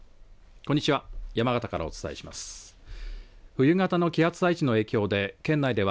こんにちは。